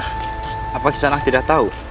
ah pak kisanak tidak tahu